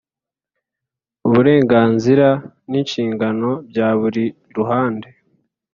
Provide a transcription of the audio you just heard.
uburenganzira n inshingano bya buri ruhande